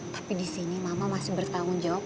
tapi disini mama masih bertanggung jawab